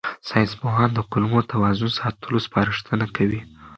ساینسپوهان د کولمو توازن ساتلو سپارښتنه کوي.